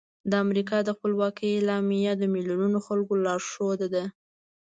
د امریکا د خپلواکۍ اعلامیه د میلیونونو خلکو لارښود ده.